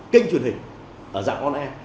kênh truyền hình dạng on air